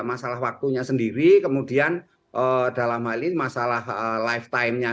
masalah waktunya sendiri kemudian dalam hal ini masalah lifetime nya